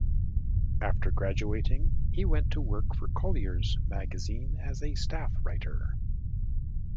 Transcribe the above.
After graduating, he went to work for "Collier's" magazine as a staff writer.